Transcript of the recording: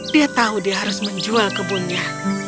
dia tahu dia harus menjual kebunnya